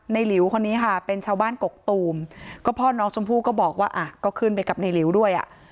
หลิวคนนี้ค่ะเป็นชาวบ้านกกตูมก็พ่อน้องชมพู่ก็บอกว่าอ่ะก็ขึ้นไปกับในหลิวด้วยอ่ะ